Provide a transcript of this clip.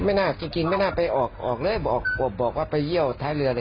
เออไม่น่าจะกินไม่น่าไปออกเลยบอกว่าไปเยี่ยวท้ายเรือเลย